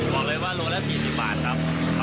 บอกเลยว่าโลละ๔๐บาทครับ